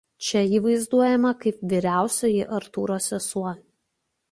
Čia ji vaizduojama kaip vyriausioji Artūro sesuo.